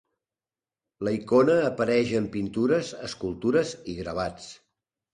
La icona apareix en pintures, escultures i gravats.